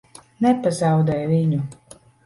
Nepazaudē viņu!